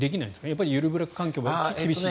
やっぱりゆるブラック環境は厳しい？